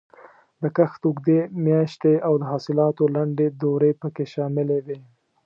د کښت اوږدې میاشتې او د حاصلاتو لنډې دورې پکې شاملې وې.